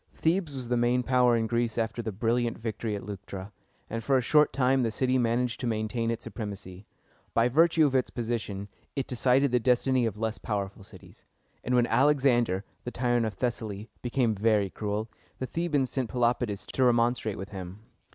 Thebes was the main power in Greece after the brilliant victory at Leuctra, and for a short time the city managed to maintain its supremacy. By virtue of its position, it decided the destiny of less powerful cities; and when Al ex an´der, tyrant of Thessaly, became very cruel, the Thebans sent Pelopidas to remonstrate with him.